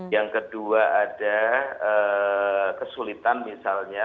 yang kedua ada kesulitan misalnya